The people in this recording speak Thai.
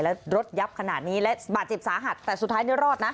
แล้วรถยับขนาดนี้และบาดเจ็บสาหัสแต่สุดท้ายเนี่ยรอดนะ